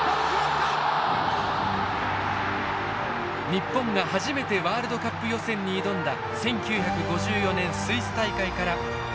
日本が初めてワールドカップ予選に挑んだ１９５４年スイス大会からおよそ半世紀。